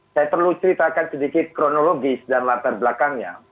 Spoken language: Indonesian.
saya perlu ceritakan sedikit kronologis dan latar belakangnya